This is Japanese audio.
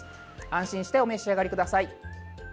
安心してお召し上がりください。